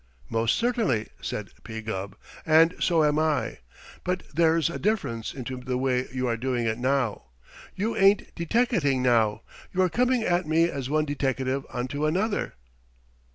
"Most certainly," said P. Gubb. "And so am I. But there's a difference into the way you are doing it now. You ain't deteckating now. You are coming at me as one deteckative unto another."